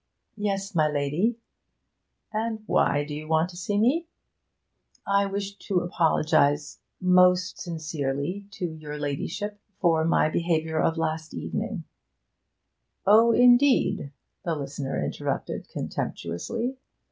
'Yes, my lady ' 'And why do you want to see me?' 'I wish to apologise most sincerely to your ladyship for my behaviour of last evening ' 'Oh, indeed!' the listener interrupted contemptuously.